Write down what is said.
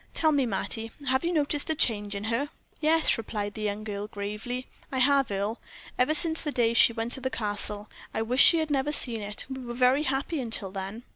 "Tell me, Mattie, have you noticed a change in her?" "Yes," replied the young girl, gravely, "I have, Earle, ever since the day she went to the Castle. I wish she had never seen it. We were very happy until then."